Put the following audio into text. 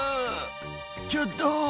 「ちょっと！